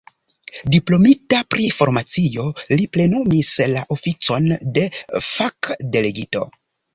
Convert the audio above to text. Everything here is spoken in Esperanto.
Diplomita pri farmacio, li plenumis la oficon de fakdelegito.